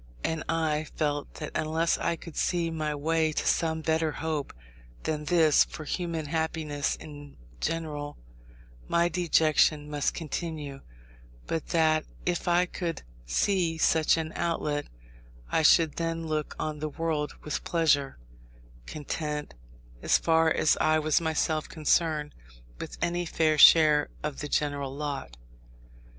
And I felt that unless I could see my way to some better hope than this for human happiness in general, my dejection must continue; but that if I could see such an outlet, I should then look on the world with pleasure; content, as far as I was myself concerned, with any fair share of the general lot.